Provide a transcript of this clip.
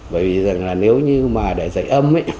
bởi vì rằng là nếu như mà để dạy âm ấy